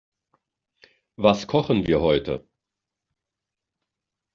Was kochen wir heute?